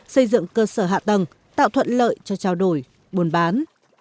xây dựng cơ sở hạ tầng tạo thuận lợi cho trao đổi buôn bán